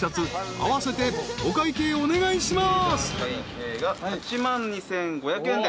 ［合わせてお会計お願いします］